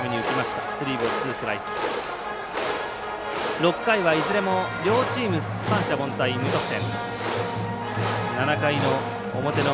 ６回はいずれも両チーム三者凡退、無得点。